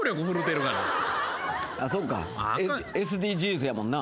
そうかＳＤＧｓやもんな。